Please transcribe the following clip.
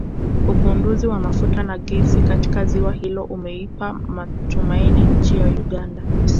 Ugunduzi wa mafuta na gesi katika ziwa hilo umeipa matumaini nchi ya Uganda